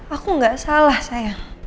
aku gak salah sayang